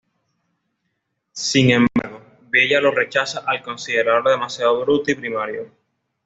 Sin embargo, Bella lo rechaza al considerarlo demasiado bruto y primario.